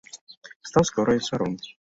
Стаў скора і царом.